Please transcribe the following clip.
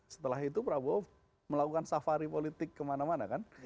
setelah itu prabowo melakukan safari politik kemana mana kan